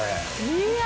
いや！